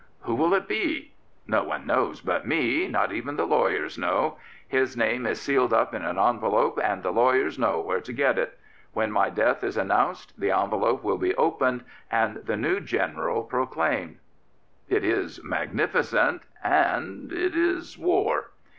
" Who will it be? No one knows but me. Not even the lawyers know. His name is sealed up in an envelope, and the lawyers know where to get it. When my death is announced the envelope will be opened and the new General proclaimed."' It is magnificent and — it is war.